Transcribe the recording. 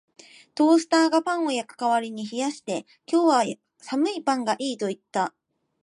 トースターがパンを焼く代わりに冷やして、「今日は寒いパンがいい」と言った